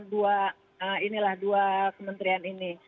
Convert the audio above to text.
dua inilah dua kementerian ini